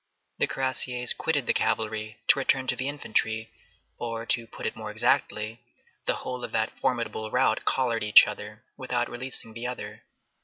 The cuirassiers quitted the cavalry to return to the infantry; or, to put it more exactly, the whole of that formidable rout collared each other without releasing the other.